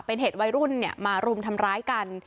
เป็นเหตุวัยรุ่นมารุมทำร้ายกัน